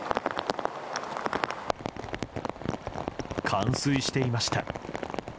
冠水していました。